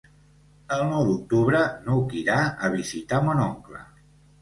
El nou d'octubre n'Hug irà a visitar mon oncle.